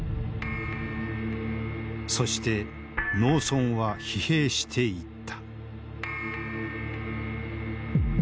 そして農村は疲弊していった。